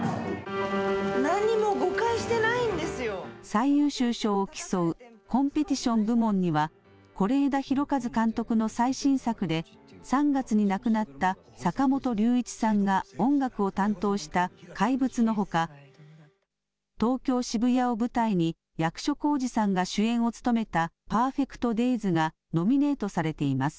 最優秀賞を競うコンペティション部門には是枝裕和監督の最新作で３月に亡くなった坂本龍一さんが音楽を担当した怪物のほか東京渋谷を舞台に役所広司さんが主演を務めたＰＥＲＦＥＣＴＤＡＹＳがノミネートされています。